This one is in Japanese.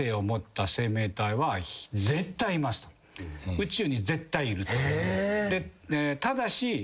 宇宙に絶対いる。